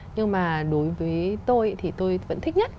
nhưng mà đối với tôi thì tôi vẫn thích nhất